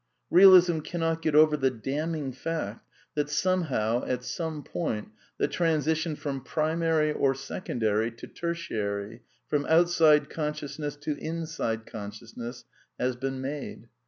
Bealism cannot get over the damning fact that somehow, at fi some point, the transition from primary or secondary, tof tertiary, from outside consciousness to inside conscious | ness, has been made.